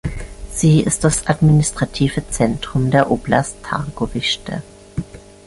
Sie ist das administrative Zentrum der Oblast Targowischte.